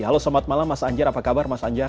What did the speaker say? halo selamat malam mas anjar apa kabar mas anjar